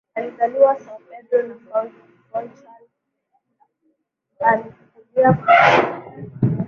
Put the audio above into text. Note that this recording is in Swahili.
Alizaliwa Sao Pedro na Funchal na alikulia parokia